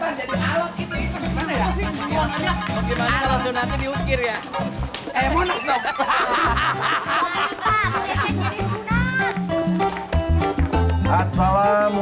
assalamualaikum warahmatullahi wabarakatuh